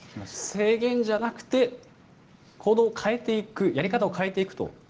制限じゃなくて行動を変えていくやり方を変えていくと。